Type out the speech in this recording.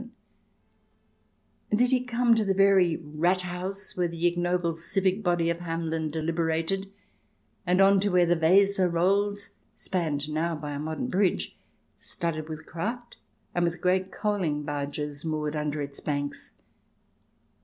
And did he come to the very Rathhaus where the ignoble civic body of Hamelin deliberated, and on to where the Weser rolls, spanned now by a modern bridge, studded with craft and with great coaling barges moored under its banks